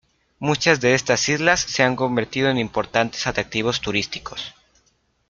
Muchas de estas islas se han convertido en importantes atractivos turísticos.